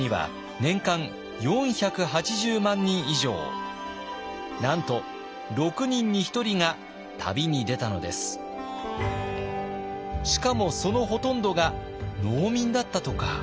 しかもそのほとんどが農民だったとか。